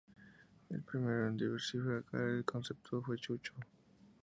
El primero en diversificar el concepto fue Chucho.